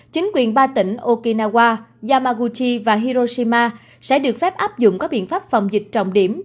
chính quyền ba tỉnh okinawa yamaguchi và hiroshima sẽ được phép áp dụng các biện pháp phòng dịch trọng điểm